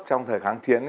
trong thời kháng chiến